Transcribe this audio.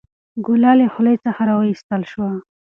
ګوله له خولې څخه راویستل شوه.